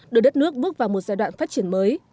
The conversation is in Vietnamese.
đưa đất nước bước vào một giai đoạn phát triển mới